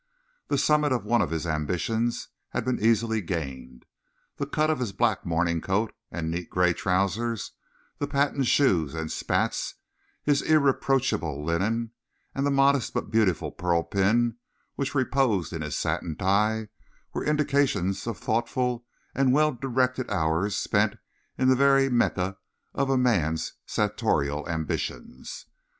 The summit of one of his ambitions had been easily gained. The cut of his black morning coat and neat grey trousers, the patent shoes and spats, his irreproachable linen, and the modest but beautiful pearl pin which reposed in his satin tie were indications of thoughtful and well directed hours spent in the very Mecca of a man's sartorial ambitions.